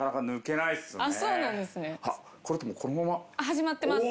始まってます。